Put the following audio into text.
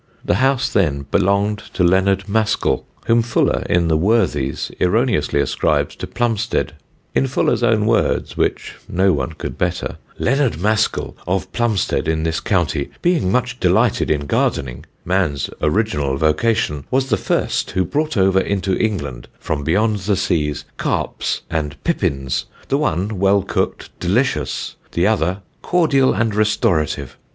The house then belonged to Leonard Mascall, whom Fuller in the Worthies erroneously ascribes to Plumsted. In Fuller's own words, which no one could better: "Leonard Mascall, of Plumsted in this county, being much delighted in Gardening, man's Original vocation, was the first who brought over into England, from beyond the seas, Carps and Pippins; the one, well cook'd, delicious, the other cordial and restorative.